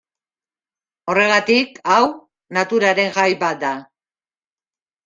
Horregatik, hau, naturaren jai bat da.